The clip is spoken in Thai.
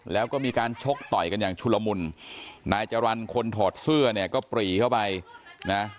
แล้วก็มีการชกต่อยกันอย่างชุลมุนนายจรรย์คนถอดเสื้อเนี่ยก็ปรีเข้าไปนะ